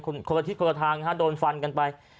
คนคนละทิศคนละทางฮะโดนฟันกันไป